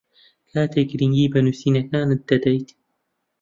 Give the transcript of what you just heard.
کاتێک گرنگی بە نووسینەکانت دەدەیت